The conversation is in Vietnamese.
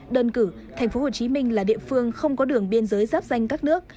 đơn cử tp hcm là địa phương không có đường biên giới giáp danh các nước